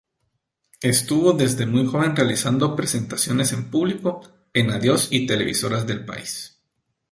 Estuvo desde muy joven realizando presentaciones en público, en adios y televisoras del país.